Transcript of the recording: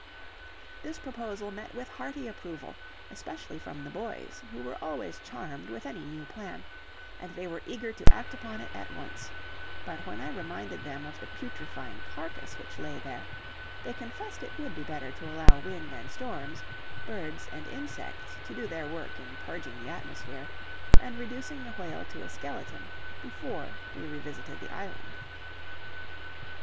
This proposal met with hearty approval, especially from the boys, who were always charmed with any new plan; and they were eager to act upon it at once, but when I reminded them of the putrifying carcass which lay there, they confessed it would be better to allow wind and storms, birds and insects to do their work in purging the atmosphere, and reducing the whale to a skeleton before we revisited the island.